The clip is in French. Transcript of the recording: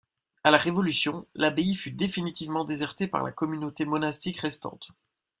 À la Révolution, l'abbaye fut définitivement désertée par la communauté monastique restante.